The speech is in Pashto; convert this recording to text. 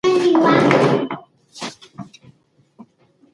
هغه د مانا په لټون کې د مادیاتو تر بریدونو واوښت.